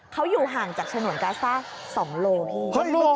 เขาอยู่ห่างจากถนนกาซ่า๒กิโลเมตร